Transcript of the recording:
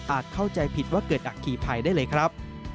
เข้าใจผิดว่าเกิดอัคคีภัยได้เลยครับ